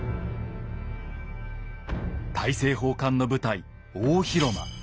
大政奉還の舞台大広間。